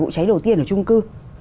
vụ cháy đầu tiên ở trung cư